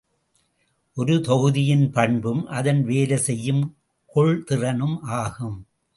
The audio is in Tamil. ஒரு தொகுதியின் பண்பும் அதன் வேலை செய்யும் கொள்திறனும் ஆகும்.